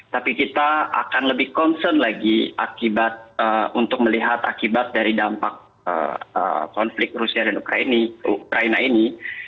tapi kita akan lebih concern lagi akibat untuk melihat akibat dari dampak konflik rusia dan ukraina ini